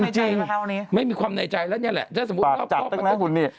จริงไม่มีความในใจแล้วแหละถ้าสมมุติรอบคอบไปจับตึกนะคุณนี่